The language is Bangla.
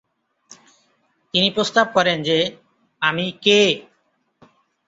তিনি প্রস্তাব করেন যে "আমি কে?"